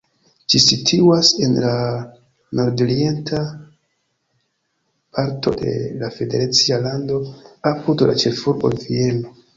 Ĝi situas en la nordorienta parto de la federacia lando, apud la ĉefurbo Vieno.